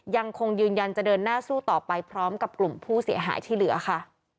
ยังคงยืนยันจะเดินหน้าสู้ต่อไปพร้อมกับกลุ่มผู้เสียหายที่เหลือค่ะ